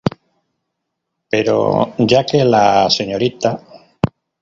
Pero ya que la Srta.